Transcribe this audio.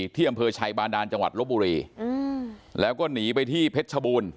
ที่อำเภอชัยบาดานจังหวัดลบบุรีแล้วก็หนีไปที่เพชรชบูรณ์